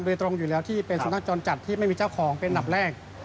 โดยตรงอยู่แล้วที่เป็นสุนัขจรจัดที่ไม่มีเจ้าของเป็นอันดับแรก